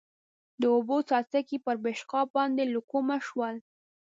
د اوبو څاڅکي پر پېشقاب باندې له کومه شول؟